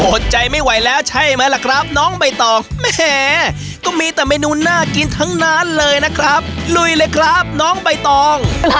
อะจริงจริงนะคุยมาตั้งนานแหละแล้วก็นั่งดมมากขออนุญาตนะคะยั่งชิมแล้วอะ